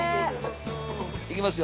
行きますよ。